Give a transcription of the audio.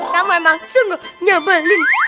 kamu emang sungguh nyabalin